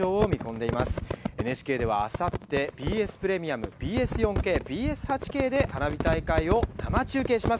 ＮＨＫではあさってＢＳプレミアムＢＳ４ＫＢＳ８Ｋで花火大会を生中継します。